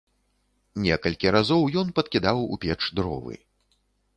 Некалькі разоў ён падкідаў у печ дровы.